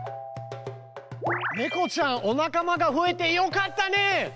ネコちゃんお仲間が増えてよかったね。